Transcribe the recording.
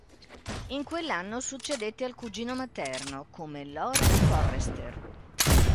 In quell'anno succedette al cugino materno come Lord Forrester.